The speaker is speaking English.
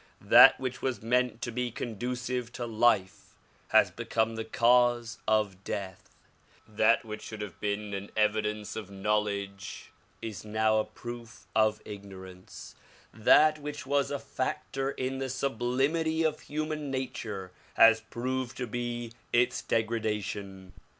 That which was meant to be conducive to life has become the cause of death; that which should have been an evidence of knowledge is now a proof of ignorance ; that which was a factor in the sublimity of human nature has proved to be its degradation.